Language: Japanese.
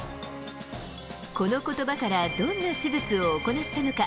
このことばから、どんな手術を行ったのか。